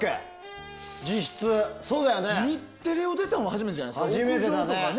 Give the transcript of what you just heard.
日テレを出たのは初めてじゃないですか？